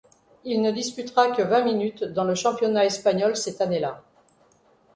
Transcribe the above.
Il ne disputera que vingt minutes dans le championnat espagnol cette année-là.